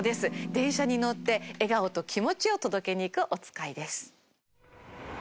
電車に乗って笑顔と気持ちを届けに行くおつかいです。